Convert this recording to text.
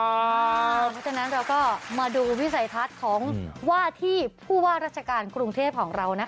เพราะฉะนั้นเราก็มาดูวิสัยทัศน์ของว่าที่ผู้ว่าราชการกรุงเทพของเรา